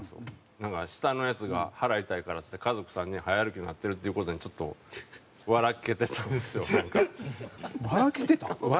なんか下のヤツが腹痛いからっつって家族３人早歩きになってるっていう事にちょっと笑けてたんですよなんか。笑